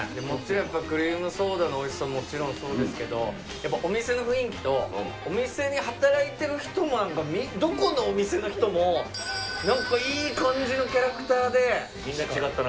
クリームソーダのおいしさももちろんそうですけど、やっぱお店の雰囲気と、お店で働いている人もなんか、どこのお店の人も、なんかいい感みんな違ったな。